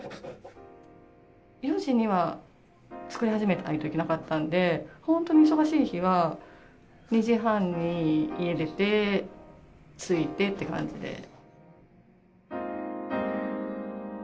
４時には作り始めていないといけなかったのでホントに忙しい日は２時半に家出て着いてという感じで。